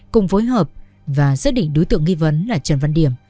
cùng phối hợp và xác định đối tượng nghi vấn là trần văn điểm